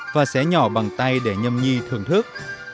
và xé nhỏ bằng tay để nhâm nhi thưởng thức